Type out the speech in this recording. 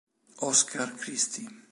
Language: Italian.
Óscar Cristi